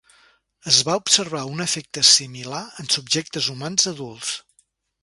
Es va observar un efecte similar en subjectes humans adults.